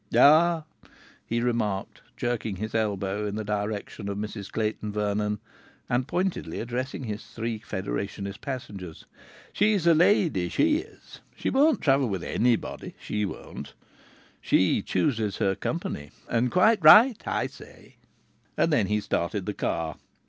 "Ah!" he remarked, jerking his elbow in the direction of Mrs Clayton Vernon and pointedly addressing his three Federationist passengers, "she's a lady, she is! She won't travel with anybody, she won't! She chooses her company and quite right too, I say!" And then he started the car.